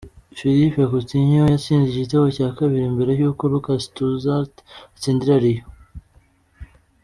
Philippe Coutinho yatsinze igitego cya kabiri mbere y’uko Lucas Tousart atsindira Lyon.